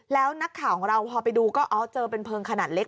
แล้วนักข่าวของเราพอไปดูก็เอาเจอเป็นเพลิงขนาดเล็ก